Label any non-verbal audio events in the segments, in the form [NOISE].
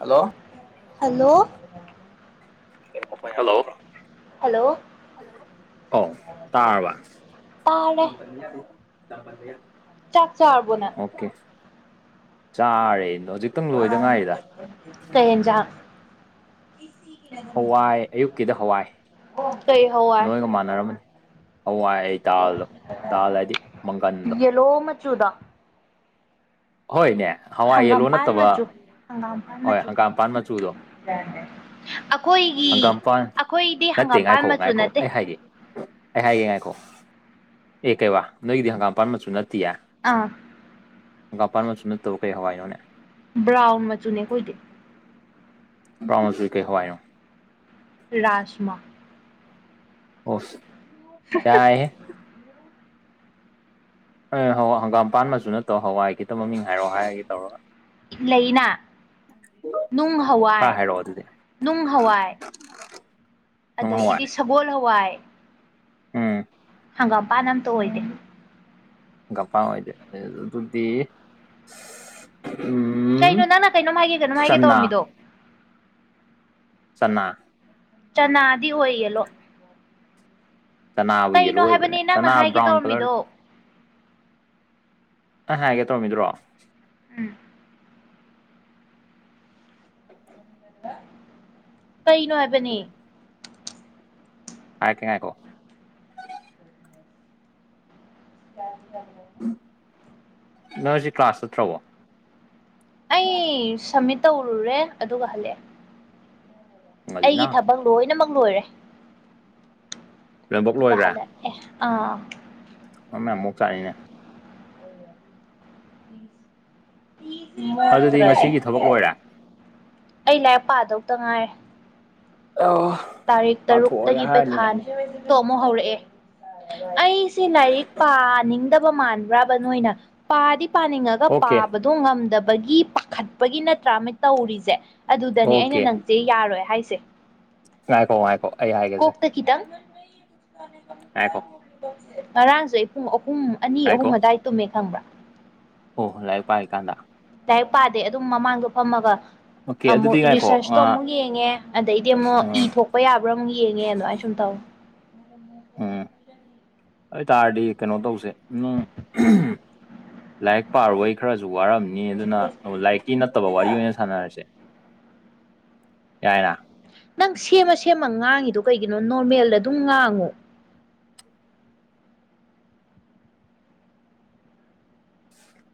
hello hello hello hello ꯑꯣ ꯇꯥꯔꯕ ꯇꯥꯔꯦ ꯆꯥꯛ ꯆꯥꯔꯕꯣ ꯅꯪ ꯑꯣꯀꯦ ꯆꯥꯔꯦ ꯍꯧꯖꯤꯛ ꯀꯩ ꯏꯟꯖꯥꯡ ꯍꯋꯥꯏ ꯑꯌꯨꯛꯀꯤꯗ ꯍꯋꯥꯏ ꯀꯩ ꯍꯋꯥꯏ ꯅꯣꯏꯒ ꯃꯥꯟꯅꯔꯝꯃꯅꯤ ꯍꯋꯥꯏ ꯑꯩ ꯗꯥꯥꯜꯗꯣ ꯗꯥꯥꯜ ꯍꯥꯏꯗꯤ ꯃꯪꯒꯟꯗꯣ ꯂꯣ ꯃꯆꯨꯗ ꯍꯣꯏꯅꯦ ꯍꯋꯥꯏ ꯌꯦꯜꯂꯣ ꯍꯪꯒꯥꯝꯄꯥꯟ ꯅꯠꯇꯕ ꯃꯆꯨ ꯍꯪꯒꯥꯝꯄꯥꯟ ꯍꯣꯏ ꯃꯆꯨ ꯍꯪꯒꯥꯝꯄꯥꯟ ꯃꯆꯨꯗꯣ ꯑꯩꯈꯣꯏꯒꯤ ꯍꯪꯒꯥꯝꯄꯥꯥꯟ ꯑꯩꯈꯣꯏꯗꯤ ꯅꯠꯇꯦ ꯍꯪꯒꯥꯝꯄꯥꯟ ꯉꯥꯏꯈꯣ ꯃꯆꯨ ꯉꯥꯏꯈꯣ ꯅꯠꯇꯦ ꯑꯩ ꯍꯥꯏꯒꯦ ꯑꯩ ꯍꯥꯏꯌꯦ ꯉꯥꯏꯈꯣ ꯑꯦ ꯀꯩ ꯋꯥ ꯅꯣꯏꯒꯤꯗꯤ ꯍꯪꯒꯥꯝꯄꯥꯟ ꯃꯆꯨ ꯅꯠꯇꯦ ꯑꯥ ꯍꯪꯒꯥꯝꯄꯥꯟ ꯃꯆꯨ ꯅꯠꯇꯧ ꯀꯔꯤ ꯍꯋꯥꯏꯅꯣꯅꯦ ꯕ꯭ꯔꯥꯥꯎꯟ ꯃꯆꯨꯅꯦ ꯀꯣꯏꯗ ꯕꯥꯎꯟ ꯃꯆꯨ ꯀꯩ ꯍꯋꯥꯏꯅꯣ ꯔꯥꯁꯃꯥ ꯑꯣ ꯌꯥꯍꯥꯏ ꯑꯦ ꯍꯋꯥ ꯍꯪꯒꯥꯝꯄꯥ ꯃꯆꯨ ꯅꯠꯇꯣ ꯍꯋꯥꯏ ꯈꯤꯇꯪ ꯃꯃꯤꯡ ꯍꯥꯏꯔꯛꯑꯣ ꯍꯥꯏꯔꯒꯦ ꯇꯧꯔꯒ ꯂꯩꯅ ꯅꯨꯡ ꯈꯔ ꯍꯋꯥꯏ ꯍꯥꯏꯔꯛꯑꯣ ꯑꯗꯨꯗꯤ ꯅꯨꯡ ꯍꯋꯥꯏ ꯅꯨꯡ ꯍꯋꯥꯏ ꯑꯗꯒꯤꯗꯤ ꯁꯒꯣꯜ ꯍꯋꯥꯏ ꯎꯝ ꯍꯪꯒꯥꯝꯄꯥꯟ ꯑꯝꯇ ꯑꯣꯏꯗꯦ ꯄꯥ ꯑꯣꯏꯗꯦ ꯑꯗꯨꯗꯤ ꯎꯝ ꯀꯩꯅꯣ ꯅꯪ ꯀꯩꯅꯣꯝ ꯍꯥꯏ ꯀꯩꯅꫭꯝ ꯍꯥꯏꯒꯦ ꯆꯅꯥ ꯇꯧꯔꯃꯤꯗꯣ ꯆꯥꯅꯥ ꯆꯅꯥꯗꯤ ꯑꯣꯏꯌꯦꯂꯣ ꯆꯅꯥꯕꯨ ꯌꯦꯜꯂꯣ ꯀꯩꯅꯣ ꯑꯣꯏꯕ꯭ꯔꯅꯦ ꯍꯥꯏꯕꯅꯤ ꯅꯪꯅ ꯆꯅꯥ ꯍꯥꯏꯒꯦ ꯕ꯭ꯔꯥꯎꯟ ꯀꯂꯔ ꯇꯧꯔꯝꯃꯤꯗꯣ ꯑ ꯍꯥꯏꯒꯦ ꯇꯧꯝꯃꯤꯗ꯭ꯔꯣ ꯎꯝ ꯀꯩꯅꯣ ꯍꯥꯏꯕꯅꯤ ꯍꯥꯏꯔꯛꯀꯦ ꯉꯥꯏꯈꫭ [UNINTELLIGIBLE] ꯅꯪ ꯉꯥꯁꯤ ꯀ꯭ꯂꯥꯁ ꯅꯠꯇ꯭ꯔꯕꯣ ꯑꯩ ꯁꯝꯃꯤꯠ ꯇꯧꯔꯨꯔꯦ ꯑꯗꯨꯒ ꯍꯜꯂꯛꯑꯦ ꯉꯜꯂꯤꯅ ꯑꯩꯒꯤ ꯊꯕꯛ ꯂꯣꯏꯅꯃꯛ ꯂꯣꯏꯔꯦ ꯂꯣꯏꯅꯃꯛ ꯑꯗꯨꯒꯥ ꯂꯣꯏꯈ꯭ꯔꯦ ꯍꯜꯂꯛꯑꯦ ꯑꯥ ꯃꯥꯔꯝ ꯌꯥꯝ ꯃꫭꯛꯆꯥꯡꯅꯤꯅꯦ ꯑꯗꯨꯗꯤ ꯃꫭꯛꯇ꯭ꯔꯗꯤ ꯉꯁꯤꯒꯤ ꯊꯕꯛ ꯂꯣꯏꯔꯦ ꯑꯩ ꯂꯥꯏꯔꯤꯛ ꯄꯥꯗꯧꯇ ꯉꯥꯏꯔꯦ ꯑꫭ ꯇꯥꯔꯤꯛ ꯇꯔꯨꯛꯇꯒꯤ ꯄꯩꯈꯥꯟ ꯇꯣ ꯑꯃꯨꯛ ꯍꯧꯔꯛꯑꯦ ꯑꯩꯁꯦ ꯂꯥꯏꯔꯤꯛ ꯄꯥꯅꯤꯡꯗꯕ ꯃꯥꯟꯕ꯭ꯔꯕ ꯅꯣꯏꯅ ꯄꯥꯗꯤ ꯄꯥꯅꯤꯡꯉ ꯑꯣꯀꯦ ꯄꯥꯕꯗꯣ ꯉꯝꯗꯕꯒꯤ ꯄꯥꯈꯠꯄꯒꯤ ꯅꯠꯇ꯭ꯔꯥ ꯑꯃ ꯇꯧꯔꯤꯁꯦ ꯑꯗꯨꯗꯅꯦ ꯑꯩꯅ ꯑꯣꯀꯦ ꯅ ꯁꯤ ꯌꯥꯔꯣꯏ ꯍꯥꯏꯁꯦ ꯉꯥꯏꯈꯣ ꯉꯥꯏꯈꯣ ꯑꯩ ꯍꯥꯏꯒꯦꯁꯦ ꯍꯈꯤꯗꯪ ꯍꯥꯏ ꯀꯣ ꯉꯔꯥꯡꯁꯦ ꯑꯩ ꯄꯨꯡ ꯑꯍꯨꯝ ꯑꯅꯤ ꯑꯍꯨꯝ ꯉꯥꯏꯈꯣ ꯑꯗꯨꯋꯥꯏ ꯇꯨꯝꯃꯦ ꯈꯪꯕ꯭ꯔꯥ ꯑꯣ ꯍꯣꯏ ꯂꯥꯏ ꯄꯥꯏꯀꯥꯟꯗ ꯗꯥꯏꯔꯤꯛ ꯄꯥꯗꯦ ꯑꯗꯨꯝ ꯃꯃꯥꯡꯗꯣ ꯐꯝꯃꯒ ꯑꯣꯀꯦ ꯑꯃꯨꯛ ꯑꯗꯨꯗꯤ ꯉꯥꯏꯈꯣ ꯔꯤꯁꯔꯁꯇꯣ ꯑ ꯑꯃꯨꯛ ꯌꯦꯡꯉꯦ ꯑꯗꯩꯗꯤ ꯑꯃꯨꯛ ꯏ ꯎꯝ ꯊꯣꯛꯄ ꯌꯥꯕ꯭ꯔꯥ ꯌꯦꯡꯉꯦ ꯑꯗꯨꯃꯥꯏꯅ ꯁꯨꯝ ꯇꯧꯋꯤ ꯎꯝ [INAUDIBLE] ꯑꯗꯨ ꯑꯣꯏꯇꯥꯔꯗꯤ ꯀꯩꯅꯣ ꯇꯧꯁꯦ ꯅꯪ ꯂꯥꯏꯔꯤꯛ ꯄꯥꯔꯨꯕꯩ ꯈꯔꯁꯨ ꯋꯥꯔꯝꯃꯤ ꯅꯤ ꯑꯗꯨꯅ ꯂꯥꯏꯔꯤꯛꯀꯤ ꯅꯠꯇꯕ ꯋꯥꯔꯤ ꯑꯣꯏꯅ ꯁꯥꯟꯅꯔꯁꯦ ꯌꯥꯏꯔ ꯅꯪ ꯁꯦꯝꯃ ꯁꯦꯝꯃ ꯉꯥꯡꯉꯤꯗꯣ ꯀꯩꯒꯤꯅꯣ ꯅꯣꯔꯃꯦꯜꯗ ꯑꯗꯨꯝ ꯉꯥꯡꯉꯣ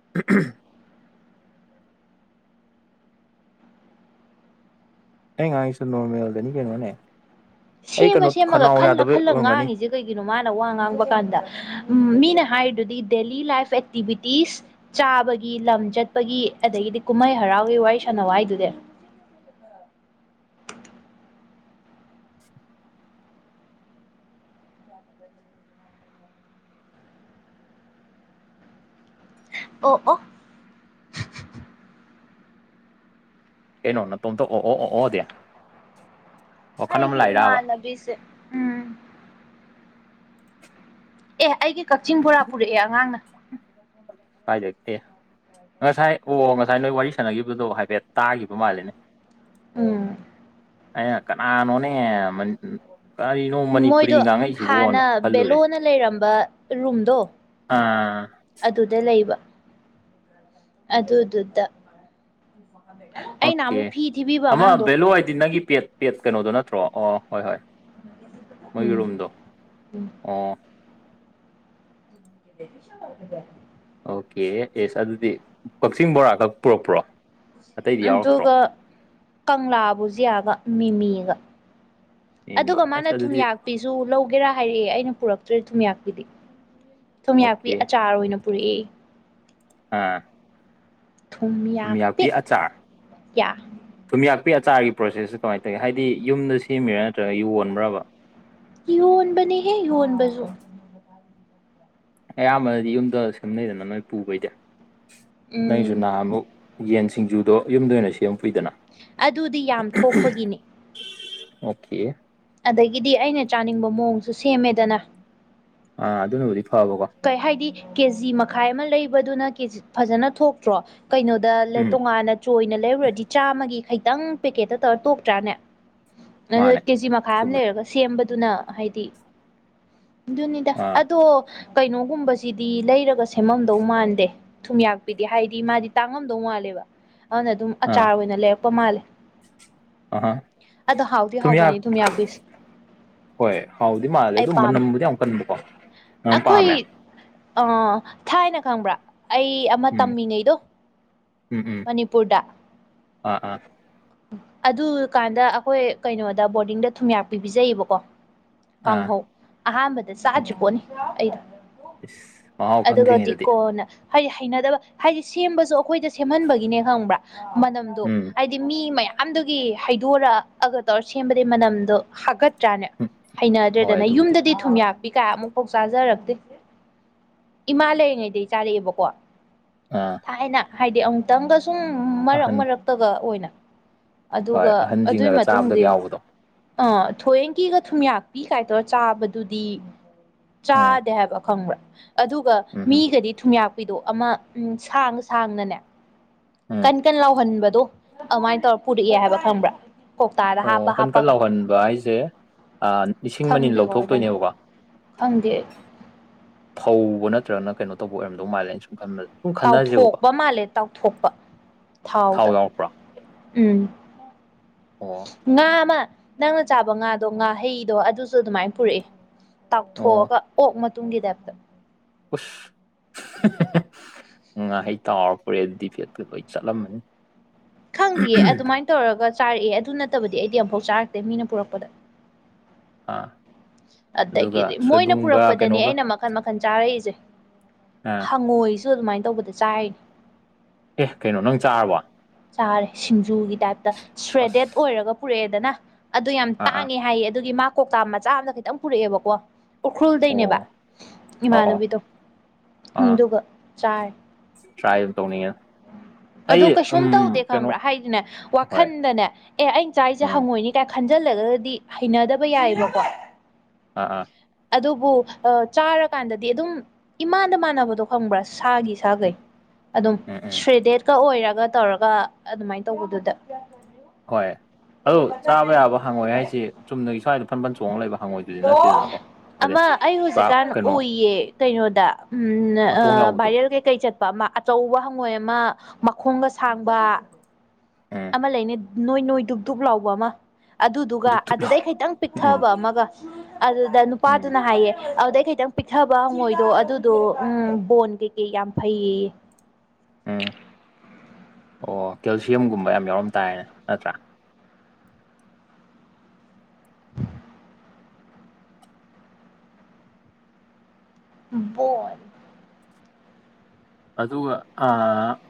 [INAUDIBLE] ꯑꯩ ꯉꯥꯏꯁꯨ ꯅꯣꯔꯃꯦꯜꯗꯅꯤ ꯀꯩꯅꯣꯅꯦ ꯑꯩ ꯁꯦꯝꯃ ꯀꯩꯅꯣ ꯁꯦꯝꯃꯒ ꯈꯅꯥꯎ ꯈꯜꯂ ꯌꯥꯗꯕꯩ ꯈꯜꯂ ꯑꯣꯏꯔꯝꯒꯅꯤ ꯉꯥꯡꯉꯤꯁꯦ ꯀꯩꯒꯤꯅꯣ ꯃꯥꯅ ꯋꯥ ꯉꯥꯡꯕ ꯀꯥꯟꯗ ꯃꯤꯅ ꯍꯥꯏꯔꯤꯗꯨꯗꯤ ꯗꯦꯂꯤ ꯂꯥꯏꯐ ꯑꯦꯛꯇꯤꯚꯤꯇꯤꯁ ꯆꯥꯕꯒꯤ ꯂꯝ ꯆꯠꯄꯒꯤ ꯑꯗꯒꯤꯗꯤ ꯀꯨꯝꯍꯩ ꯍꯔꯥꯎꯒꯤ ꯋꯥꯔꯤ ꯁꯥꯟꯅꯋꯥꯏꯗꯨꯗꯤ ꯑꯣ ꯑꯣ ꯀꯩꯅꯣ ꯅꯇꯣꯝꯇ ꯑꯣ ꯑꯣ ꯑꯣ ꯑꯣꯗꯦ ꯑꯩꯒꯤ ꯏꯃꯥꯟꯅꯕꯤꯁꯦ ꯎ ꯑꯦ ꯑꯩꯒꯤ ꯀꯛꯆꯤꯡ ꯕꯣꯔꯥ ꯄꯨꯔꯛꯑꯦ ꯑꯉꯥꯡꯅ ꯍꯥꯏꯠꯇꯦ ꯉꯁꯥꯏ ꯑꯣ ꯉꯁꯥꯏ ꯅꯣꯏ ꯋꯥꯔꯤ ꯁꯥꯟꯅꯈꯤꯕꯗꯣ ꯍꯥꯏꯐꯦꯠ ꯇꯥꯈꯤꯕ ꯃꯥꯜꯜꯂꯤꯅꯦ ꯎꯝ ꯑ ꯀꯅꯥ ꯅꯣꯅꯦ ꯀꯔꯤꯅꯣ ꯃꯅꯤꯄꯨꯔꯤ ꯃꯣꯏꯗꯣ ꯍꯥꯟꯅ ꯉꯥꯡꯉꯏꯁꯤꯕꯣꯅ ꯈꯜꯂꯨꯔꯦ ꯕꯦꯂꯣꯅ ꯂꯩꯔꯝꯕ ꯔꯨꯝꯗꯣ ꯑꯥ ꯑꯗꯨꯗ ꯂꯩꯕ ꯑꯗꯨꯗ ꯑꯗꯨꯗ ꯑꯣꯀꯦ ꯑꯃ ꯚꯦꯂꯨ ꯍꯥꯏꯗꯤ ꯅꯪꯒꯤ ꯄꯦꯠ ꯄꯦꯠ ꯀꯩꯅꯣꯗꯣ ꯅꯠꯇ꯭ꯔꯣ ꯑꯣ ꯍꯣꯏ ꯍꯣꯏ ꯃꯣꯏꯒꯤ ꯎꯝ ꯔꯨꯝꯗꯣ ꯎꯝ ꯑꯣ [UNINTELLIGIBLE] ꯑꯣꯀꯦ ꯌꯦꯁ ꯑꯗꯨꯗꯤ ꯀꯛꯆꯤꯡ ꯕꯣꯔꯥꯈꯛ ꯄꯨꯔꯛꯄ꯭ꯔꯣ ꯑꯇꯩꯗꯤ ꯌꯥꯎꯔꯛꯇ꯭ꯔꯣ ꯑꯗꯨꯒ ꯀꯪꯂꯥꯕꯨꯖ ꯌꯥꯒ ꯃꯤꯃꯤꯒ ꯑꯦ ꯃꯤ ꯑꯗꯨꯒ ꯃꯥꯅ ꯑꯁ ꯊꯨꯝ ꯑꯗꯨꯗꯤ ꯌꯥꯛꯄꯤꯁꯦ ꯁꯨ ꯂꯧꯒꯦꯔꯥ ꯍꯥꯏꯔꯛꯑꯦ ꯑꯩꯅ ꯄꯨꯔꯛꯇ꯭ꯔꯣꯏꯦ ꯊꯨꯝꯌꯥꯛꯄꯤꯗꯤ ꯊꯨꯝꯌꯥꯛꯄꯤ ꯑꯣꯀꯦ ꯑꯆꯥꯔ ꯑꯣꯏꯅ ꯄꯨꯔꯏ ꯑꯥ ꯊꯨꯝꯌꯥꯛꯄꯤ ꯊꯨꯝꯃꯤꯌꯥꯄꯤ ꯑꯆꯥꯔ ꯌꯥ ꯊꯨꯝꯌꯥꯛꯄꯤ ꯑꯆꯥꯔꯒꯤ ꯄ꯭ꯔꯣꯁꯦꯁꯁꯦ ꯀꯃꯥꯏꯅ ꯇꯧꯋꯤ ꯍꯥꯏꯗꯤ ꯌꯨꯝꯗ ꯁꯦꯝꯃꯤꯔꯥ ꯅꯠꯇ꯭ꯔꯒ ꯌꯣꯟꯕ꯭ꯔꯕ ꯌ ꯌꯣꯟꯕꯅꯦ ꯍꯦ ꯌꯟꯕꯖꯣꯟ ꯑꯌꯥꯝꯕꯅꯗꯤ ꯌꯨꯝꯗ ꯁꯦꯝꯅꯩꯗꯅ ꯅꯣꯏ ꯄꯨꯕꯩꯗꯤ ꯅꯣꯏ ꯎꯝ ꯖꯨꯅꯥ ꯑꯃꯨꯛ ꯌꯦꯟ ꯁꯤꯡꯖꯨꯗꯣ ꯌꯨꯝꯗ ꯑꯣꯏꯅ ꯁꯦꯝꯃ ꯀꯨꯏꯗꯅ ꯑꯗꯨꯗꯤ ꯌꯥꯝ ꯊꯣꯛꯄꯒꯤꯅꯤ ꯑꯣꯀꯦ ꯑꯗꯒꯤꯗꯤ ꯑꯩꯅ ꯆꯥꯅꯤꯡꯕ ꯃꯑꯣꯡꯁꯨ ꯁꯦꯝꯃꯦꯗꯅ ꯑꯥ ꯑꯗꯨꯅꯕꯨꯗꯤ ꯐꯕꯀꯣ ꯀꯩ ꯍꯥꯏꯗꯤ ꯀꯦꯖꯤ ꯃꯈꯥꯏ ꯑꯃ ꯂꯩꯕꯗꯨꯅ ꯀꯦꯖꯤ ꯐꯖꯅ ꯊꯣꯛꯇ꯭ꯔꯣ ꯀꯩꯅꯣꯗ ꯎꯝ ꯇꯣꯉꯥꯟꯅ ꯆꯣꯏꯅ ꯂꯩꯔꯨꯔꯗꯤ ꯆꯥꯝꯃꯒꯤ ꯈꯇꯪ ꯄꯦꯀꯦꯠꯇ ꯇꯧꯔ ꯇꯣꯛꯇ꯭ꯔꯥꯅꯦ ꯑꯗꯨ ꯃꯥꯅꯦ ꯀꯦꯖꯤ ꯃꯈꯥꯏ ꯑꯃ ꯆꯨꯝꯃꯦ ꯂꯩꯔꯒ ꯁꯦꯝꯕꯗꯨꯅ ꯍꯥꯏꯗꯤ ꯑꯗꯨꯅꯤꯗ ꯑꯥ ꯑꯗꯣ ꯀꯩꯅꯣꯒꯨꯝꯕꯁꯤꯗꯤ ꯂꯩꯔꯒ ꯁꯦꯝꯃꯝꯗꯧ ꯃꯥꯟꯗꯦ ꯊꯨꯝꯌꯥꯛꯄꯤꯗꯤ ꯍꯥꯏꯗꯤ ꯃꯥꯗꯤ ꯇꯥꯡꯉꯝꯗꯧ ꯃꯥꯜꯂꯦꯕ ꯑꯗꯨꯅ ꯑꯗꯨꯝ ꯑꯥ ꯑꯆꯥꯔ ꯑꯣꯏꯅ ꯂꯩꯔꯛꯄ ꯃꯥꯜꯂꯦ ꯑꯍꯤ ꯑꯗꯣ ꯍꯥꯎꯗꯤ ꯊꯨꯝꯌꯥꯛ ꯍꯥꯎꯕꯅꯦ ꯊꯨꯝꯌꯥꯛꯄꯤꯁꯦ ꯍꯣꯏ ꯍꯥꯎꯗꯤ ꯃꯥꯜꯂꯦ ꯑꯩ ꯑꯗꯨꯝ ꯄꯥꯝꯃꯦ ꯃꯅꯝꯕꯨꯗꯤ ꯌꯥꯝ ꯀꯟꯕꯀꯣ ꯅꯪ ꯑꯩꯈꯣꯏ ꯄꯥꯝꯃꯦ ꯑ ꯊꯥꯏꯅ ꯈꯪꯕ꯭ꯔꯥ ꯑꯩ ꯑꯃ ꯎꯝ ꯇꯝꯃꯤꯅꯩꯗꯣ ꯎꯝ ꯎꯝ ꯃꯅꯤꯄꯨꯔꯗ ꯑꯥ ꯑꯥ ꯑꯗꯨ ꯀꯥꯟꯗ ꯑꯩꯈꯣꯏ ꯀꯩꯅꯣꯗ ꯕꯣꯔꯗꯤꯡꯗ ꯊꯨꯝꯌꯥꯛꯕꯤ ꯄꯤꯖꯩꯌꯦꯕꯀꯣ ꯑꯥ ꯀꯥꯡꯍꯧ ꯑꯍꯥꯟꯕꯗ ꯆꯥꯗ꯭ꯔꯤ ꯑꯣꯀꯦ ꯄꯣꯠꯅꯤ ꯑꯩꯗ ꯏꯁ ꯃꯍꯥꯎ ꯑꯗꯨꯒꯗꯤ ꯈꯪꯗ꯭ꯔꯤꯉꯩꯗꯗꯤ ꯀꯣꯟꯅ ꯍꯥꯏꯗꯤ ꯍꯩꯅꯗꯕ ꯍꯥꯏꯗꯤ ꯁꯦꯝꯕꯁꯨ ꯑꯩꯈꯣꯏꯗ ꯁꯦꯝꯍꯟꯕꯒꯤꯅꯦ ꯈꯪꯕ꯭ꯔꯥ ꯃꯅꯝꯗꯣ ꯎꯝ ꯍꯥꯏꯗꯤ ꯃꯤ ꯃꯌꯥꯝꯗꯨꯒꯤ ꯍꯩꯗꯣꯔꯑꯒ ꯇꯧꯔ ꯁꯦꯝꯕꯗꯤꯩ ꯃꯅꯝꯗꯣ ꯍꯥꯀꯠ ꯇ꯭ꯔꯥꯅꯦ ꯍꯨꯝ ꯍꯣꯏ ꯍꯩꯅꯗ꯭ꯔꯦꯗꯅ ꯑꯗꯨꯕꯨꯗꯤ ꯌꯨꯝꯗꯗꯤ ꯊꯨꯝꯌꯥꯛ ꯄꯕꯤꯀꯥ ꯑꯃꯨꯛꯐꯥꯎ ꯆꯥꯖꯔꯛꯇꯦ ꯏꯃꯥ ꯂꯩꯔꯤꯉꯩꯗꯒꯤ ꯆꯥꯔꯛꯑꯦꯕꯀꯣ ꯑꯥ ꯊꯥꯏꯅ ꯍꯥꯏꯗꯤ ꯑꯃꯨꯛꯇꯪꯒ ꯁꯨꯝ ꯃꯔꯛ ꯑꯍꯟ ꯃꯔꯛꯇꯒ ꯑꯣꯏꯅ ꯍꯣꯏ ꯑꯗꯨꯒ ꯑꯗꯨꯒꯤ ꯑꯍꯟꯁꯤꯡꯅꯒ ꯆꯥꯕꯗꯒ ꯃꯇꯨꯡꯗꯤ ꯌꯥꯎꯕꯗꯣ ꯑꯥ ꯊꯌꯦꯡꯒꯤꯒ ꯊꯨꯝꯌꯥꯛꯄꯤ ꯀꯥꯏꯗꯧꯔ ꯆꯥꯕꯗꯨꯗꯤ ꯎꯝ ꯆꯥꯗꯦ ꯍꯥꯏꯕ ꯈꯪꯕ꯭ꯔꯥ ꯑꯗꯨꯒ ꯎꯝ ꯍꯨꯝ ꯃꯤꯒꯗꯤ ꯊꯨꯝꯌꯥꯛꯄꯤꯗꯣ ꯑꯃ ꯎ ꯁꯥꯡ ꯁꯥꯡꯅꯅꯦ ꯎꯝ ꯀꯟ ꯀꯟ ꯂꯥꯎꯍꯟꯕꯗꯣ ꯑꯗꯨꯃꯥꯏꯅ ꯇꯧꯔ ꯄꯨꯔꯛꯑꯦ ꯍꯥꯏꯕ ꯈꯪꯕ꯭ꯔꯥ ꯀꯧꯇꯥꯗ ꯑꯣ ꯍꯥꯞꯄ ꯀꯟ ꯀꯟ ꯍꯥꯞꯄꯒ ꯂꯥꯎꯍꯟꯕ ꯍꯥꯏꯁꯦ ꯂꯤꯁꯤꯡ ꯃꯅꯤ ꯈꯪꯗꯦ ꯀꯃꯥꯏ ꯇꯧꯏꯅꯣ ꯂꯧꯊꯣꯛꯇꯣꯏꯅꯦꯕꯀꯣ ꯈꯪꯗꯦ ꯐꯨꯕ ꯅꯠꯇ꯭ꯔꯒꯅ ꯀꯩꯅꯣ ꯇꯧꯕ ꯑꯣꯏꯔꯝꯗꯧ ꯃꯥꯥꯜꯂꯦ ꯑꯩꯅ ꯁꯨꯝ ꯈꯟꯕꯗ ꯁꯨꯝ ꯈꯟꯅꯁꯦꯕꯀꯣ ꯇꯥꯎꯊꯣꯛꯄ ꯃꯥꯜꯂꯦ ꯇꯥꯎꯊꯣꯛꯄ ꯊꯥꯎ ꯊꯥꯎꯗ ꯌꯥꯎꯔꯛꯄ꯭ꯔꯣ ꯎꯝ ꯑꯣ ꯉꯥ ꯑꯃ ꯅꯪꯅ ꯆꯥꯕ ꯉꯥꯗꯣ ꯉꯥ ꯍꯩꯗꯣ ꯑꯗꯨꯁꯨ ꯑꯗꯨꯃꯥꯏꯅ ꯄꯨꯔꯛꯌꯦ ꯑꯣ ꯇꯥꯎꯊꯣꯛꯑꯒ ꯑꯣꯛ ꯃꯇꯨꯝꯒꯤ ꯇꯥꯏꯞꯇ ꯎꯁ ꯉꯥꯍꯩ ꯇꯥꯎꯔꯄꯣꯔꯛꯌꯦ ꯗꯤꯐꯦꯠ ꯐꯨ ꯂꯣꯏ ꯆꯠꯂꯝꯃꯅꯤ ꯈꯪꯗꯦꯌꯦ ꯑꯗꯨꯃꯥꯏꯅ ꯇꯧꯔꯒ ꯆꯥꯔꯛꯑꯦ ꯑꯗꯨ ꯅꯠꯇꯕꯗꯤ ꯑꯩꯗꯤ ꯑꯃꯝꯐꯥꯎ ꯆꯥꯔꯛꯇꯦ ꯃꯤꯅ ꯄꯨꯔꯛꯄꯗ ꯑꯥ ꯑꯗꯨꯒ ꯑꯗꯒꯤꯗꯤ ꯃꯣꯏꯅ ꯁꯣꯏꯕꯨꯝꯒ ꯄꯨꯔꯛꯄꯗꯅꯤ ꯀꯩꯅꯣꯒ ꯑꯩꯅ ꯃꯈꯜ ꯃꯈꯥꯜ ꯃꯈꯜ ꯆꯥꯔꯛꯏꯁꯦ ꯑꯥ ꯍꯪꯉꯣꯏꯁꯨ ꯑꯗꯨꯃꯥꯏꯅ ꯇꯧꯕꯗ ꯆꯥꯔꯤꯅꯦ ꯑꯦ ꯀꯩꯅꯣ ꯅꯪ ꯆꯥꯔꯕꯣ ꯆꯥꯔꯦ ꯁꯤꯡꯖꯨꯒꯤ ꯇꯥꯏꯞꯇ ꯑꯁ ꯁ꯭ꯔꯦꯗꯦꯠ ꯑꯣꯏꯔꯒ ꯄꯨꯔꯛꯑꯦꯗꯅ ꯑꯗꯨ ꯌꯥꯝ ꯑꯥ ꯑꯥ ꯇꯥꯡꯉꯦ ꯍꯥꯏꯌꯦ ꯑꯗꯨꯒꯤ ꯃꯥ ꯀꯧꯇꯥ ꯃꯆꯥ ꯑꯃꯗ ꯈꯤꯇꯪ ꯄꯨꯔꯛꯑꯦꯕꯀꯣ ꯑꯣ ꯎꯈ꯭ꯔꯨꯜꯗꯩꯅꯦꯕ ꯑꯣ ꯑꯣ ꯏꯃꯥꯟꯅꯕꯤꯗꯣ ꯑꯥ ꯑꯗꯨꯒ ꯆꯥꯔꯦ ꯇ꯭ꯔꯥꯏ ꯇꯧꯅꯤꯡꯉꯦ ꯑꯩ ꯑꯗꯣ ꯎꯝ ꯀꯩꯁꯨꯝ ꯇꯧ ꯇꯧꯗꯦ ꯀꯩꯅꯣ ꯈꯪꯕ꯭ꯔꯥ ꯍꯥꯏꯗꯨꯅꯦ ꯍꯣꯏ ꯋꯥꯈꯟꯗꯅꯦ ꯑꯦ ꯑꯩꯩꯅ ꯆꯥꯛꯁꯦ ꯎꯝ ꯍꯪꯉꯣꯏꯅꯤ ꯀꯥꯏꯅ ꯈꯟꯖꯜꯂꯒꯗꯤ ꯍꯩꯅꯗꯕ ꯎꯝ ꯌꯥꯏꯕꯀꯣ ꯑꯥ ꯑꯥ ꯑꯗꯨꯕꯨ ꯆꯥꯔꯀꯥꯟꯗꯗꯤ ꯑꯗꯨꯝ ꯏꯃꯥꯠꯗ ꯃꯥꯟꯅꯕꯗꯣ ꯈꯪꯕ꯭ꯔꯥ ꯁꯥꯒꯤ ꯁꯥꯈꯩ ꯑꯗꯨꯝ ꯎꯝ ꯎꯝ ꯁꯔꯤꯗꯦꯠꯀ ꯑꯣꯏꯔꯒ ꯇꯧꯔꯒ ꯑꯗꯨꯃꯥꯏꯅ ꯇꯧꯕꯗꯨꯗ ꯍꯣꯏ ꯑꯗꯨ ꯆꯥꯕ ꯌꯥꯕ ꯍꯪꯉꯣꯏ ꯍꯥꯏꯁꯤ ꯆꯨꯝꯅꯒꯤ ꯁ꯭ꯋꯥꯏꯗ ꯐꯟ ꯐꯟ ꯆꯣꯡꯉꯒ ꯂꯩꯕ ꯍꯪꯉꯣꯏꯗꯦ ꯑꯃ ꯑꯩ ꯍꯧꯖꯤꯛꯀꯥꯟ ꯀꯩꯅꯣ ꯎꯌꯦ ꯀꯩꯅꯣꯗ ꯎ ꯃꯇꯣꯡ ꯌꯥꯎꯕꯗꯣ ꯚꯥꯏꯔꯦꯜ ꯀꯩꯀꯩ ꯆ ꯑꯃ ꯑꯆꯧꯕ ꯍꯪꯉꯣꯏ ꯑꯃ ꯃꯈꯣꯡꯒ ꯁꯥꯡꯕ ꯎꯝ ꯑꯃ ꯂꯩꯅꯤ ꯅꯣꯏ ꯅꯣꯏ ꯗꯨꯛ ꯗꯨꯛ ꯂꯥꯎꯕ ꯑꯃ ꯑꯗꯨꯗꯨꯒ ꯗꯨꯞ ꯗꯨꯞ ꯂꯥꯎ ꯑꯗꯨꯗꯩ ꯈꯤꯇꯪ ꯎꯝ ꯄꯤꯛꯊꯕ ꯑꯃꯒ ꯑꯗꯨꯗ ꯎꯝ ꯅꯨꯄꯥꯗꯨꯅ ꯍꯥꯏꯌꯦ ꯑꯗꯨꯗꯩ ꯈꯤꯇꯪ ꯄꯤꯛꯊꯕ ꯃꯣꯏꯗꯣ ꯑꯗꯨꯗꯣ ꯎ ꯕꯣꯟ ꯀꯩꯀꯩ ꯌꯥꯝ ꯐꯩꯌꯦ ꯎꯝ ꯑꯣ ꯀꯦꯜꯁꯤꯌꯝꯒꯨꯝꯕ ꯌꯥꯝ ꯌꯥꯎꯔꯝ ꯇꯥꯏꯅ ꯅꯠꯇ꯭ꯔꯥ [UNINTELLIGIBLE] ꯑꯗꯨꯒ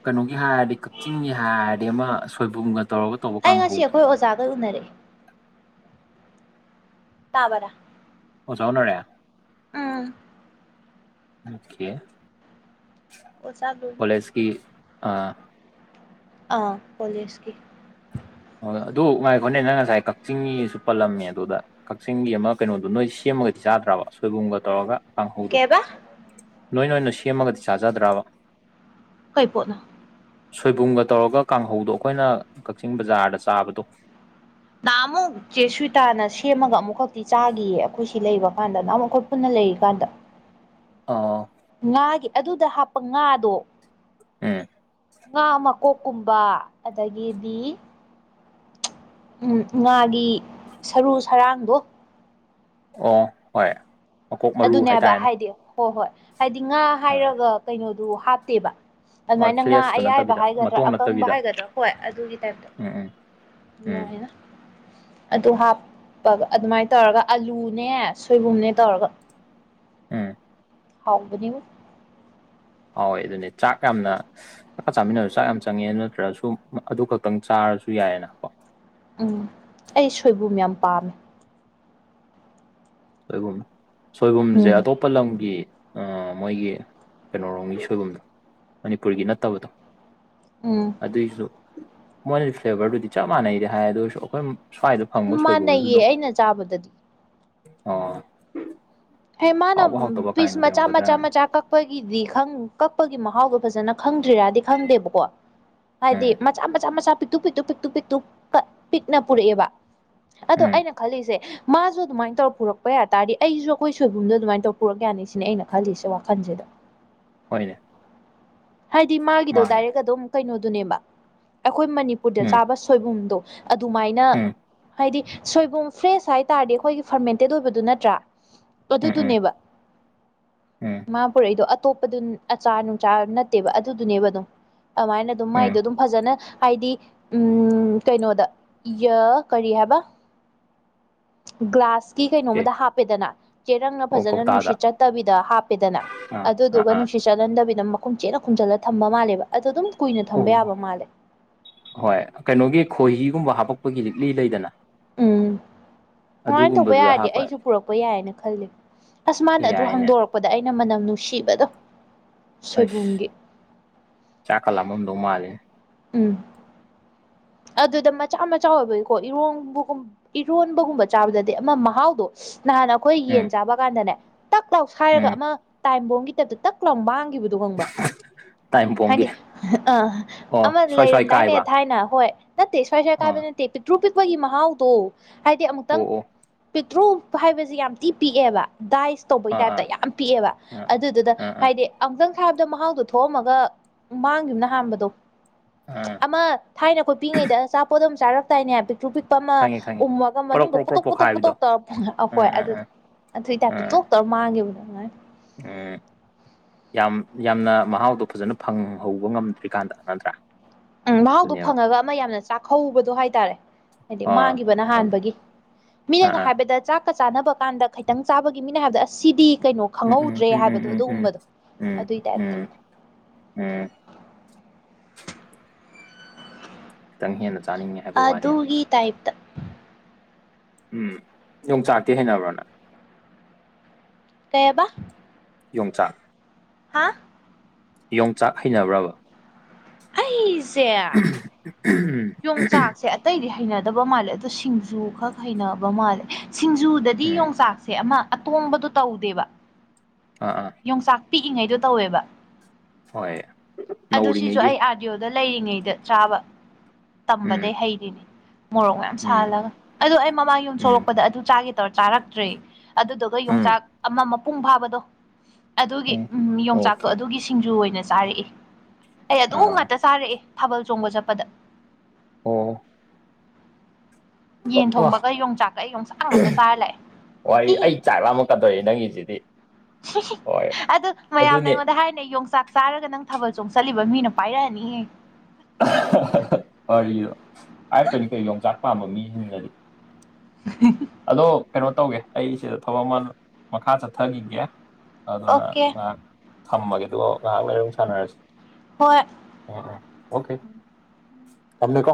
ꯀꯩꯅꯣꯒꯤ ꯍꯥꯏꯔꯗꯤ ꯀꯛꯆꯤꯡꯒꯤ ꯍꯥꯏꯔꯗꯤ ꯑꯃ ꯁꯣꯏꯕꯨꯝꯒ ꯇꯧꯔꯒ ꯇꯧꯕ ꯑꯩ ꯉꯁꯤ ꯀꯥꯡꯍꯧꯗꯣ ꯑꯩꯈꯣꯏ ꯑꯣꯖꯥꯒ ꯎꯅꯔꯑꯦ ꯇꯥꯕꯔ ꯑꯣꯖꯥ ꯎꯅꯔꯦ ꯎꯝ ꯑꯣꯀꯦ ꯑꯣ ꯆꯥꯒꯦ ꯑꯩ ꯑ ꯑꯥ ꯄꯣꯂꯁꯀꯤ ꯍ ꯑꯗꯨ ꯉꯥꯏꯈꯣꯠꯅꯦ ꯅꯪ ꯉꯁꯥꯏ ꯀꯛꯆꯤꯡꯒꯤꯁꯨ ꯄꯜꯂꯝꯅꯦ ꯑꯗꯨꯗ ꯀꯛꯆꯤꯡꯒꯤ ꯑꯃ ꯀꯩꯅꯣꯗꯣ ꯅꯣꯏ ꯁꯦꯝꯃꯒꯗꯤ ꯆꯥꯗ꯭ꯔꯕ ꯁꯣꯏꯕꯨꯝꯒ ꯇꯧꯔꯒ ꯀꯥꯡꯍꯧꯗꯨꯣ ꯀꯩꯕ ꯅꯣꯏ ꯅꯣꯏꯅ ꯁꯦꯝꯃꯒꯗꯤ ꯆꯥꯖꯗ꯭ꯔꯕ ꯀꯥꯏ ꯄꯣꯠꯅ ꯁꯣꯏꯕꯨꯝꯒ ꯇꯧꯔꯒ ꯀꯥꯡꯍꯧꯗꯣ ꯑꯩꯈꯣꯏꯅ ꯀꯛꯆꯤꯡ ꯕꯖꯥꯔꯗ ꯆꯥꯕꯗꯣ ꯇꯃꯨ ꯆꯦ ꯁ꯭ꯋꯤꯇꯥꯅ ꯁꯦꯝꯃꯒ ꯑꯃꯨꯛꯈꯛꯇꯤ ꯆꯥꯒꯤꯌꯦ ꯑꯩꯈꯣꯏ ꯁꯤ ꯂꯩꯕ ꯀꯥꯟꯗ ꯅꯍꯟꯝꯨꯛ ꯑꯩꯈꯣꯏ ꯄꯨꯟꯅ ꯂꯩꯔꯤꯀꯥꯟꯗ ꯑꯣ ꯉꯥꯒꯤ ꯑꯗꯨꯗ ꯍꯥꯞꯄ ꯉꯥꯗꯣ ꯎꯝ ꯉꯥ ꯃꯀꯣꯛꯀꯨꯝꯕ ꯑꯗꯒꯤꯗꯤ ꯎꯝ ꯉꯥꯒꯤ ꯁꯔꯨ ꯁꯔꯥꯡꯗꯣ ꯑꯣ ꯍꯣꯏ ꯃꯀꯣꯛ ꯃꯔꯨ ꯑꯗꯨꯅꯦꯕ ꯍꯥꯏꯇꯥꯔꯦꯅꯦ ꯍꯥꯏꯗꯤ ꯍꯣꯏ ꯍꯣꯏ ꯍꯥꯏꯗꯤ ꯉꯥ ꯑꯥ ꯍꯥꯏꯔꯒ ꯀꯩꯅꯣꯗꯨ ꯍꯥꯞꯇꯦꯕ ꯍꯣꯏ ꯑꯗꯨꯃꯥꯏꯅ ꯉꯥ ꯐ꯭ꯂꯦꯁꯇꯨ ꯑꯌꯥꯏꯕ ꯅꯠꯇꯕꯤꯗ ꯍꯥꯏꯒꯗ꯭ꯔꯥ ꯃꯇꯣꯡ ꯑꯀꯪꯕ ꯅꯠꯇꯕꯤꯗ ꯍꯥꯏꯒꯗ꯭ꯔꯥ ꯍꯣꯏ ꯑꯗꯨꯒꯤ ꯇꯥꯏꯝꯇ ꯎꯝ ꯎꯝ ꯎꯝ ꯂꯥꯛꯑꯦꯅ ꯑꯗꯨ ꯍꯥꯞꯄꯒ ꯑꯗꯨꯃꯥꯏꯅ ꯇꯧꯔꯒ ꯑꯂꯨꯅꯦ ꯁꯣꯏꯕꯨꯝꯅꯦ ꯇꯧꯔꯒ ꯎꯝ ꯍꯥꯎꯒꯅꯤꯉꯣ ꯍꯥꯎꯋꯦ ꯑꯗꯨꯅꯦ ꯆꯥꯛ ꯌꯥꯝꯅ ꯆꯥꯛꯀ ꯆꯥꯃꯤꯟꯅꯔꯁꯨ ꯆꯥꯛ ꯌꯥꯝ ꯆꯪꯉꯦ ꯅꯠꯇ꯭ꯔꯁꯨ ꯑꯗꯨ ꯈꯛꯇꯪ ꯆꯥꯔꯁꯨ ꯌꯥꯏꯌꯦꯅ ꯀꯣ ꯎꯝ ꯑꯩ ꯁꯣꯏꯕꯨꯝ ꯌꯥꯝ ꯄꯥꯝꯃꯦ ꯁꯣꯏꯕꯨꯝ ꯁꯣꯏꯕꯨꯝꯁꯦ ꯎꯝ ꯑꯇꯣꯞꯄ ꯑꯇꯄ ꯂꯝꯒꯤ ꯃꯣꯏꯒꯤ ꯀꯩꯅꯣꯔꯣꯝꯒꯤ ꯁꯣꯏꯕꯨꯝꯗꯣ ꯃꯅꯤꯄꯨꯔꯒꯤ ꯅꯠꯇꯕꯗꯣ ꯎꯝ ꯑꯗꯨꯏꯁꯨ ꯃꯣꯏꯅꯗꯤ ꯐ꯭ꯂꯦꯕꯔꯗꯨꯗꯤ ꯆꯞ ꯃꯥꯟꯅꯩꯗꯤ ꯍꯥꯏ ꯑꯗꯨ ꯑꯣꯏꯔꯁꯨ ꯑꯩꯈꯣꯏ ꯁ꯭ꯋꯥꯏꯗ ꯐꯪꯕ ꯁꯣꯏꯕꯨꯝꯁꯨ ꯃꯥꯟꯅꯩꯌꯦ ꯑꯗꯨꯝ ꯑꯩꯅ ꯆꯥꯕꯗꯗꯤ ꯑꯣ ꯍ ꯃꯥꯅ ꯍꯥꯎꯕ ꯍꯥꯎꯇꯕ ꯄꯤꯁ ꯀꯥꯏꯅ ꯃꯆꯥ ꯃꯆꯥ ꯂꯩꯔꯝꯒꯗ꯭ꯔꯅ ꯃꯆꯥ ꯀꯛꯄꯒꯤꯗꯤ ꯈꯪ ꯀꯛꯄꯒꯤ ꯃꯍꯥꯎꯗꯣ ꯐꯖꯅ ꯈꯪꯗ꯭ꯔꯤꯔꯗꯤ ꯈꯪꯗꯦꯕꯀꯣ ꯍꯥꯏꯗꯤ ꯎꯝ ꯃꯆꯥ ꯃꯆꯥ ꯃꯆꯥ ꯄꯤꯛ ꯄꯤꯇꯨꯛ ꯄꯤꯇꯨꯛ ꯄꯤꯇꯨꯛ ꯀꯠ ꯄꯤꯛꯅ ꯄꯨꯔꯛꯑꯦꯕ ꯑꯗꯣ ꯎꯝ ꯑꯩꯅ ꯈꯜꯂꯤꯁꯦ ꯃꯥꯁꯨ ꯑꯗꯨꯃꯥꯏꯅ ꯇꯧꯔ ꯄꯨꯔꯛꯄ ꯌꯥ ꯇꯥꯔꯗꯤ ꯑꯩꯁꯨ ꯑꯩꯈꯣꯏ ꯁꯣꯏꯕꯨꯝꯗꯣ ꯑꯗꯨꯃꯥꯏꯅ ꯇꯧꯔ ꯄꯨꯔꯛ ꯌꯥꯅꯤ ꯁꯤꯅꯦ ꯑꯩꯅ ꯈꯜꯂꯤꯁꯦ ꯋꯥꯈꯜꯁꯤꯗ ꯍꯣꯏꯅꯦ ꯍꯥꯏꯗꯤ ꯃꯥꯒꯤꯗꯣ ꯃꯥꯅꯦ ꯗꯥꯏꯔꯦꯛ ꯑꯗꯨꯝ ꯀꯩꯅꯣꯗꯨꯅꯦꯕ ꯑꯩꯈꯣꯏ ꯃꯅꯤꯄꯨꯔꯗ ꯎꯝ ꯆꯥꯕ ꯁꯣꯏꯕꯨꯝꯗꯣ ꯑꯗꯨꯃꯥꯏꯅ ꯎꯝ ꯍꯥꯏꯗꯤ ꯁꯣꯏꯕꯨꯝ ꯐ꯭ꯔꯦꯁ ꯍꯥꯏꯇꯥꯔꯗꯤ ꯑꯩꯈꯣꯏꯒꯤ ꯐꯔꯃꯦꯟꯇꯦꯠ ꯑꯣꯏꯕꯗꯨ ꯅꯠꯇ꯭ꯔꯥ ꯎꯝ ꯎꯝ ꯑꯗꯨꯗꯨꯅꯦꯕ ꯎꯝ ꯃꯥ ꯄꯨꯔꯛꯏꯗꯣ ꯑꯇꯣꯞꯄꯗꯨ ꯑꯆꯥꯔ ꯅꯨꯡꯆꯥꯥ ꯅꯠꯇꯦꯕ ꯑꯗꯨꯗꯨꯅꯦꯕ ꯑꯗꯨꯝ ꯑꯗꯨꯃꯥꯏꯅ ꯑꯗꯨꯝ ꯃꯥꯏꯗꯣ ꯎꯝ ꯑꯗꯨꯝ ꯐꯖꯅ ꯍꯥꯏꯗꯤ ꯎꯝ ꯀꯩꯅꯣꯗ ꯀꯔꯤ ꯍꯥꯏꯕ ꯒ꯭ꯂꯥꯁ ꯀꯤ ꯑꯣꯀꯦ ꯀꯩꯅꯣꯝꯃꯗ ꯍꯥꯞꯄꯦꯗꯅ ꯆꯦꯔꯪꯅ ꯑꯣ ꯐꯖꯅ ꯀꯧꯇꯥꯗ ꯅꯨꯡꯁꯤꯠ ꯆꯠꯇꯕꯤꯗ ꯍꯥꯞꯄꯦꯗꯅ ꯑꯥ ꯑꯥ ꯑꯗꯨꯗꯨꯒ ꯑꯥ ꯅꯨꯡꯁꯤꯠ ꯆꯠꯍꯟꯗꯕꯤꯗ ꯃꯈꯨꯝ ꯆꯦꯠꯅ ꯈꯨꯝꯖꯤꯜꯂ ꯊꯝꯕ ꯃꯥꯜꯂꯦꯕ ꯑꯗꯣ ꯑꯗꯨꯝ ꯀꯨꯏꯅ ꯊꯝꯕ ꯑꯣ ꯌꯥꯕ ꯃꯥꯜꯂꯦ ꯍꯣꯏ ꯀꯩꯅꯣꯒꯤ ꯈꯣꯏꯍꯤꯒꯨꯝꯕ ꯍꯥꯞꯄꯛꯄꯒꯤ ꯂꯤꯛꯂꯤ ꯂꯩꯗꯅ ꯎꯝ ꯀꯃꯥꯏꯅ ꯇꯧꯕ ꯑꯗꯨꯒꯨꯝꯕꯗꯨꯗ ꯌꯥꯔꯗꯤ ꯍꯥꯞꯄ ꯑꯩꯁꯨ ꯄꯨꯔꯛꯄ ꯌꯥꯏꯌꯦꯅ ꯈꯜꯂꯤ ꯑꯁ ꯃꯥꯅ ꯑꯗꯨ ꯌꯥꯏꯅꯦ ꯍꯥꯡꯗꯣꯔꯛ ꯄꯣꯛꯄꯗ ꯑꯩꯅ ꯃꯅꯝ ꯅꯨꯡꯁꯤꯕꯗꯣ ꯑꯁ ꯁꯣꯏꯕꯨꯝꯒꯤ ꯆꯥꯛ ꯀ ꯂꯝꯃꯝꯗꯧ ꯃꯥꯂꯦ ꯎꯝ ꯑꯗꯨꯗ ꯃꯆꯥ ꯃꯆꯥ ꯑꯣꯏꯕꯒꯤꯀꯣ ꯏꯔꯣꯡꯕꯒꯨꯝ ꯏꯔꯣꯟꯕꯒꯨꯝꯕ ꯆꯥꯕꯗꯗꯤ ꯑꯃ ꯃꯍꯥꯎꯗꯣ ꯅꯍꯥꯟꯅ ꯑꯩꯈꯣꯏ ꯎꯝ ꯌꯦꯟ ꯆꯥꯕ ꯀꯥꯟꯗꯅꯦ ꯇꯛ ꯂꯥꯎ ꯎꯝ ꯁꯥꯏꯔꯒ ꯑꯃ ꯇꯥꯏꯕꯣꯝꯒꯤ ꯇꯥꯏꯞꯇ ꯇꯛ ꯂꯥꯎ ꯃꯥꯡꯈꯤꯕꯗ ꯗꯨ ꯈꯪꯕ꯭ꯔꯥ ꯇꯥꯏꯝꯄꯣꯡꯒꯤ ꯍꯥꯏꯗꯤ ꯑ ꯑꯣ ꯑꯃ ꯁ꯭ꯋꯥꯏ ꯁ꯭ꯋꯥꯏ ꯂꯩꯔꯝꯗꯥꯏꯅꯦ ꯀꯥꯏꯕ ꯊꯥꯏꯅ ꯍꯣꯏ ꯅꯠꯇꯦ ꯁ꯭ꯋꯥꯏ ꯁ꯭ꯋꯥꯏ ꯀꯥꯏꯕ ꯑꯥ ꯅꯠꯇꯦ ꯄꯤꯛꯇ꯭ꯔꯨ ꯄꯤꯛꯄꯒꯤ ꯃꯍꯥꯎꯗꯣ ꯍꯥꯏꯗꯤ ꯑꯣ ꯑꯃꯨꯛꯇꯪ ꯑꯣ ꯄꯦꯇ꯭ꯔꯣꯜ ꯍꯥꯏꯕꯁꯤ ꯌꯥꯝ ꯊꯤ ꯄꯤꯛꯑꯦꯕ ꯗꯥꯏꯁ ꯇꯧꯕꯩ ꯑꯥ ꯑꯥ ꯇꯥꯏꯞꯇ ꯌꯥꯝ ꯄꯤꯛꯑꯦꯕ ꯑꯥ ꯑꯗꯨꯗꯨꯗ ꯑꯥ ꯑꯥ ꯍꯥꯏꯗꯤ ꯑꯃꯨꯛꯇꯪ ꯊꯥꯕꯗ ꯃꯍꯥꯎꯗꯣ ꯊꯣꯛꯑꯝꯃꯒ ꯃꯥꯡꯒꯤꯕꯅ ꯍꯥꯟꯕꯗꯣ ꯑꯥ ꯑꯃ ꯊꯥꯏꯅ ꯈꯣꯏ ꯄꯤꯛꯏꯉꯩꯗ ꯑꯆꯥꯄꯣꯠ ꯑꯃ ꯆꯥꯔꯝꯗꯥꯏꯅꯦ ꯄꯤꯛꯇ꯭ꯔꯨ ꯄꯤ ꯑꯃ ꯈꯪꯉꯦ ꯈꯪꯉꯦ ꯎꯝꯃꯒ ꯄꯣꯔꯣꯛ ꯃꯅꯨꯡꯗ ꯄꯣꯔꯣꯛ ꯄꯣꯔꯣꯛ ꯄꯨꯠꯇꯣꯛ ꯄꯨꯠꯇꯣꯛ ꯄꯣꯛꯈꯥꯏꯕꯗꯣ ꯄꯨꯠꯇꯣꯛ ꯇꯧꯔ ꯐ ꯑꯩꯈꯣꯏ ꯑꯥ ꯑꯥ ꯑꯗꯨ ꯑꯥ ꯑꯗꯨꯏ ꯇꯥꯏꯞꯇꯨ ꯇꯣ ꯑꯥ ꯑ ꯃꯥꯡꯒꯤꯕꯅꯦ ꯑꯃꯥꯏꯅ ꯎꯝ ꯌꯥꯝ ꯌꯥꯝꯅ ꯃꯍꯥꯎꯗꯣ ꯐꯖꯅ ꯐꯪꯍꯧꯕ ꯉꯝꯗ꯭ꯔꯤꯀꯥꯟꯗ ꯅꯠꯇ꯭ꯔꯥ ꯎꯝ ꯃꯍꯥꯎꯗꯣ ꯑꯗꯨꯅꯦꯕ ꯐꯪꯉꯒ ꯑꯃ ꯌꯥꯝꯅ ꯆꯥꯛꯀꯧꯕꯗꯣ ꯍꯥꯏꯇꯥꯔꯦ ꯍꯥꯏꯗꯤ ꯑꯥ ꯃꯥꯡꯈꯤꯕꯅ ꯍꯣꯏꯅꯦ ꯍꯥꯟꯕꯒꯤ ꯑꯥ ꯃꯤꯅꯒ ꯑꯥ ꯍꯥꯏꯕꯗ ꯆꯥꯛ ꯀ ꯆꯥꯅꯕ ꯀꯥꯟꯗ ꯈꯤꯇꯪ ꯆꯥꯕꯒꯤꯅꯤꯅꯦ ꯍꯥꯏꯕꯗ ꯑꯁꯤꯗꯤ ꯀꯩꯅꯣ ꯎꯝ ꯎꯝ ꯈꯪꯍꯧꯗ꯭ꯔꯦ ꯎꯝ ꯎꯝ ꯍꯥꯏꯕꯗꯣ ꯎꯝ ꯎꯝ ꯑꯗꯨꯒꯨꯝꯕꯗꯣ ꯎꯝ ꯑꯗꯨꯏ ꯇꯥꯏꯞꯇ ꯎꯝ ꯎꯝ ꯈꯤꯇꯪ ꯍꯦꯟꯅ ꯆꯥꯅꯤꯡꯉꯤ ꯍꯥꯏꯕ ꯋꯥꯅꯦꯕ ꯏ ꯇꯥꯏꯞꯇ ꯎꯝ ꯌꯣꯡꯆꯥꯛꯇꯤ ꯍꯩꯅꯕ꯭ꯔꯅ ꯀꯩꯕ ꯌꯣꯡꯆꯥꯛ ꯍꯥ ꯌꯣꯡꯆꯥꯛ ꯍꯩꯅꯕ꯭ꯔꯕ ꯑꯩꯁꯦ ꯌꯣꯡꯆꯥꯛꯁꯦ ꯑꯇꯩꯗꯤ ꯍꯩꯅꯗꯕ ꯃꯥꯜꯂꯦ ꯑꯗ ꯁꯤꯡꯖꯨ ꯈꯛ ꯍꯩꯅꯕ ꯃꯥꯜꯂꯦ ꯁꯤꯡꯖꯨ ꯗꯗꯤ ꯎꯝ ꯌꯣꯡꯆꯥꯛꯁꯦ ꯑꯃ ꯑꯇꯣꯡꯕꯗꯨꯣ ꯇꯧꯗꯦꯕ ꯑ ꯑ ꯌꯣꯡꯆꯥꯛ ꯄꯤꯛꯏꯉꯩꯗꯣ ꯇꯧꯋꯦꯕ ꯍꯣꯏ ꯑꯗꯨ ꯁꯤꯁꯨ ꯅꯧꯔꯤꯉꯩꯒꯤ ꯑꯩ ꯑꯥ ꯑꯥꯗꯤꯑꯣꯗ ꯂꯩꯔꯤꯉꯩꯗ ꯆꯥꯕ ꯎꯝ ꯇꯝꯕꯗꯩ ꯍꯩꯔꯤꯅꯦ ꯃꯣꯔꯣꯛ ꯃꯌꯥꯝ ꯎꯝ ꯁꯥꯍꯜꯂꯒ ꯑꯗꯨꯗ ꯑꯩ ꯃꯃꯥꯡ ꯌꯨꯝ ꯎꯝ ꯁꯣꯛꯂꯛꯄꯗ ꯑꯗꯨ ꯆꯥꯒꯦ ꯇꯧꯔ ꯆꯥꯔꯛꯇ꯭ꯔꯦ ꯑꯗꯨꯗꯨꯒ ꯎꯝ ꯌꯣꯡꯆꯥꯛ ꯑꯃ ꯃꯄꯨꯡ ꯐꯥꯕꯗꯣ ꯑꯗꯨꯒꯤ ꯎꯝ ꯌꯣꯡꯆꯥꯛꯇꯣ ꯑꯗꯨꯒꯤ ꯁꯤꯡꯖꯨ ꯑꯣꯏꯅ ꯆꯥꯔꯛꯑꯦ ꯑꯩ ꯑꯗꯨ ꯑꯥ ꯉꯇ ꯆꯥꯔꯛꯑꯦ ꯊꯥꯕꯜ ꯆꯣꯡꯕ ꯆꯠꯄꯗ ꯑꯣ ꯌꯦꯟ ꯑ ꯊꯣꯡꯕꯒ ꯌꯣꯡꯆꯥꯛꯀ ꯌꯣꯡꯆꯥꯛ ꯉꯥꯛꯇ ꯆꯥꯔ ꯋꯥꯔꯤ ꯂꯥꯛꯑꯦ ꯍꯤ ꯑꯩ ꯆꯥꯛ ꯂꯥꯛ ꯑꯃꯨꯛ ꯀꯥꯗꯣꯛꯏ ꯅꯪꯒꯤꯁꯤꯗꯤ ꯍꯣꯏ ꯑꯗꯨ ꯃꯌꯥꯝꯅ ꯑꯗꯨꯅꯦ ꯑꯩꯉꯣꯟꯗ ꯍꯥꯏꯅꯩ ꯌꯣꯡꯆꯥꯛ ꯆꯥꯔꯒ ꯅꯪ ꯊꯥꯕꯜ ꯆꯣꯡ ꯆꯠꯂꯤꯕ ꯃꯤꯅ ꯄꯥꯏꯔꯛꯑꯅꯤꯍꯦ ꯋꯥꯔꯤꯗꯣ ꯍꯥꯏꯔꯛꯇ꯭ꯔꯗꯤ ꯀꯩ ꯌꯣꯡꯆꯥꯛ ꯄꯥꯝꯕ ꯃꯤꯁꯤꯡꯅꯗꯤ ꯎ ꯑꯗꯣ ꯀꯩꯅꯣ ꯇꯧꯒꯦ ꯑꯩ ꯁꯤꯗ ꯊꯕꯛ ꯑꯃ ꯃꯈꯥ ꯆꯠꯊꯈꯤꯒꯦ ꯑꯗꯨꯅ ꯑꯣꯀꯦ ꯉꯥꯏꯍꯥꯛ ꯊꯝꯕꯒꯦ ꯑꯗꯨꯒ ꯉꯥꯏꯍꯥꯛ ꯂꯩꯔꯣ ꯁꯥꯟꯅꯔꯁꯤ ꯍꯣꯏ ꯑꯣ ꯑꯣꯀꯦ ꯊꯝꯃꯦ ꯀꯣ